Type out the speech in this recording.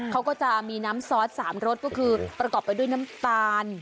เขาก็จะมีน้ำซอส๓รสก็คือประกอบไปด้วยน้ำตาล